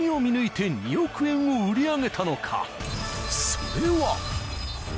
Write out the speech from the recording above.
［それは］